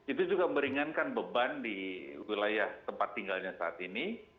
itu juga meringankan beban di wilayah tempat tinggalnya saat ini